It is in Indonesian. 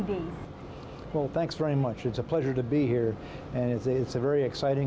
apa fokus yang akan anda lakukan dalam dua hari yang akan datang